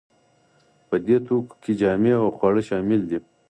په دې توکو کې جامې او خواړه شامل دي.